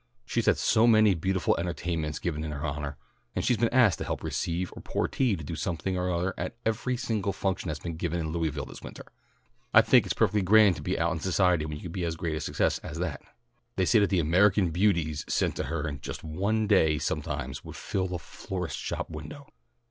She's had so many beautiful entertainments given in her honour, and she's been asked to help receive or pour tea or do something or other at every single function that's been given in Louisville this winter. I think it's perfectly grand to be out in society when you can be as great a success as that. They say that the American Beauties sent to her in just one day sometimes would fill a florist's shop window.